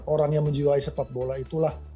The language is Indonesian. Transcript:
orang yang menjiwai sepak bola itulah